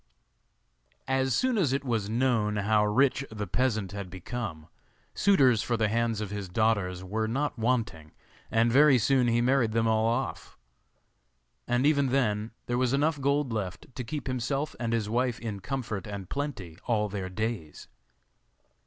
As soon as it was known how rich the peasant had become, suitors for the hands of his daughters were not wanting, and very soon he married them all off; and even then there was enough gold left to keep himself and his wife in comfort and plenty all their days.